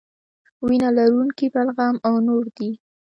وینه لرونکي بلغم او نور دي.